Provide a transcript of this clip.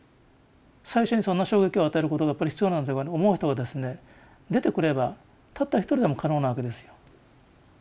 最初にそんな衝撃を与えることがやっぱり必要なんだって思う人がですね出てくればたった一人でも可能なわけですよ。